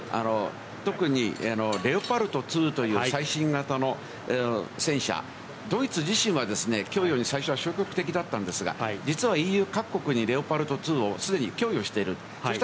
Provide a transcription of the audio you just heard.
特に「レオパルト２」という最新型の戦車、ドイツ自身は供与に最初は消極的だったんですが、ＥＵ各国に「レオパルト２」をすでに供与している。